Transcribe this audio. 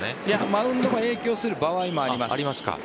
マウンドも影響する場合もあります。